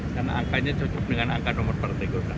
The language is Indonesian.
karena angkanya cocok dengan angka nomor partai golkar